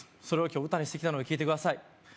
それを今日歌にしてきたので聴いてください